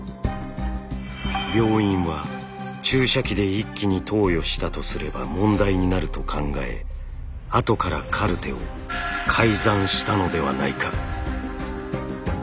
病院は注射器で一気に投与したとすれば問題になると考え後からカルテを改ざんしたのではないか。